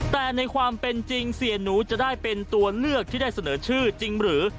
แต่ในความเป็นจริงเสียหนูจะได้เป็นตัวเลือกที่ได้เสนอชื่อจริงหรือ